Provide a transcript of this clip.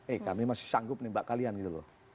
eh kami masih sanggup menembak kalian gitu loh